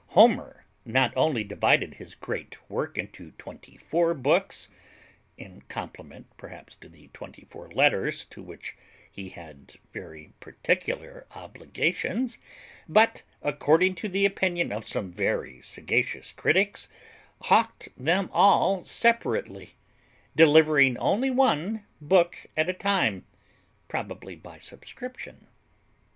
Homer not only divided his great work into twenty four books (in compliment perhaps to the twenty four letters to which he had very particular obligations), but, according to the opinion of some very sagacious critics, hawked them all separately, delivering only one book at a time (probably by subscription).